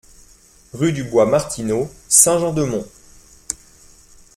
Rue du Bois Martineau, Saint-Jean-de-Monts